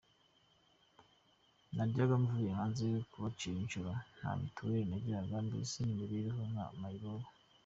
Naryaga mvuye hanze kubacira inshuro, nta mitiweli nagiraga…mbese niberagaho nka mayiboboro.